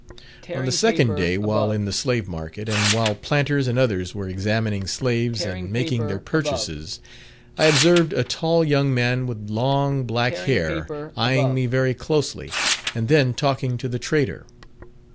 On the second day while in the slave market, and while planters and others were examining slaves and making their purchases, I observed a tall young man with long black hair eyeing me very closely, and then talking to the trader.